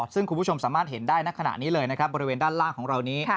ซึ่งคุณผู้ชมสามารถเห็นได้ณขณะนี้เลยนะครับบริเวณด้านล่างของเรานี้